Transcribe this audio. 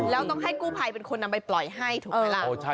แล้วต้องให้กู้ภัยเป็นคนนำไปปล่อยให้ถูกไหมล่ะ